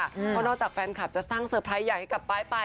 เพราะนอกจากแฟนคลับจะสร้างเซอร์ไพรส์ใหญ่ให้กับป้ายไป